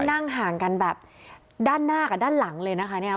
นั่งห่างกันแบบด้านหน้ากับด้านหลังเลยนะคะเนี่ย